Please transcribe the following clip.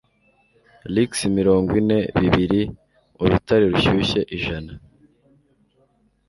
"Licks mirongo ine" bibiri& "Urutare rushyushye: ijana